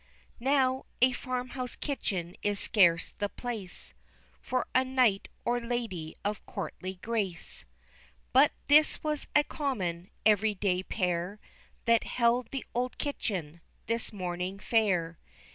Now, a farm house kitchen is scarce the place For a knight or lady of courtly grace. But this was a common, everyday pair That held the old kitchen, this morning fair.